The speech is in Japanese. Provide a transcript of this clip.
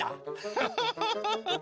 フフフフフ！